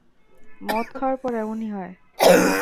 মদ খাওয়ার পর এমন হয়-ই!